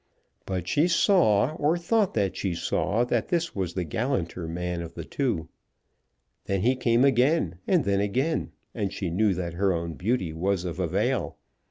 But she saw, or thought that she saw, that this was the gallanter man of the two. Then he came again, and then again, and she knew that her own beauty was of avail.